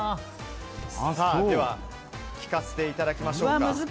では、聞かせていただきましょう。